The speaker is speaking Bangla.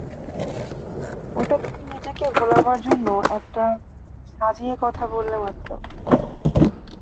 ওটা তুমি নিজেকে ভোলাবার জন্যে একটা সাজিয়ে কথা বললে মাত্র।